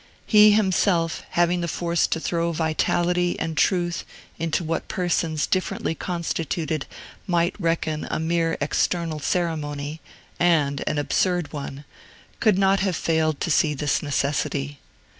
He himself, having the force to throw vitality and truth into what persons differently constituted might reckon a mere external ceremony, and an absurd one, could not have failed to see this necessity.